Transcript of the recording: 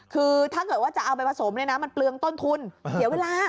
คือถ้าเกิดว่าจะเอาไปผสมเนี่ยนะมันเปลืองต้นทุนเสียเวลา